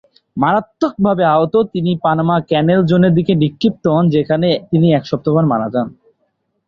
মারাত্মকভাবে আহত, তিনি পানামা ক্যানাল জোনের দিকে নিক্ষিপ্ত হন যেখানে তিনি এক সপ্তাহ পর মারা যান।